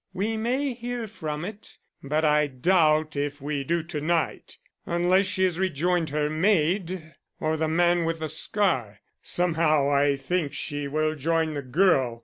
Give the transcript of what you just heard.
We may hear from it. But I doubt if we do to night unless she has rejoined her maid or the man with a scar. Somehow I think she will join the girl.